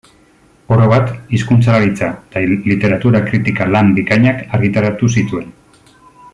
Orobat hizkuntzalaritza eta literatura kritika-lan bikainak argitaratu zituen.